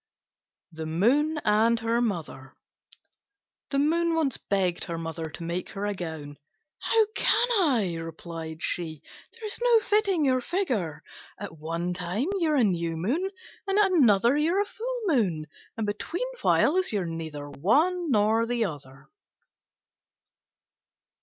THE MOON AND HER MOTHER The Moon once begged her Mother to make her a gown. "How can I?" replied she; "there's no fitting your figure. At one time you're a New Moon, and at another you're a Full Moon; and between whiles you're neither one nor the other."